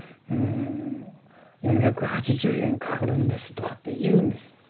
「うん４８０円かかるんです」とかって言うんです。